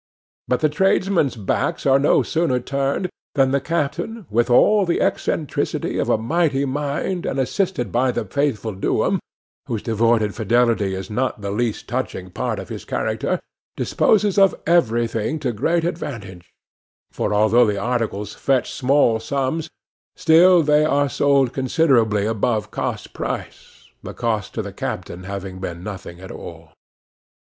But the tradesmen's backs are no sooner turned, than the captain, with all the eccentricity of a mighty mind, and assisted by the faithful Do'em, whose devoted fidelity is not the least touching part of his character, disposes of everything to great advantage; for, although the articles fetch small sums, still they are sold considerably above cost price, the cost to the captain having been nothing at all.